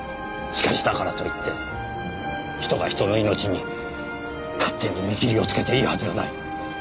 しかしだからといって人が人の命に勝手に見切りをつけていいはずがない。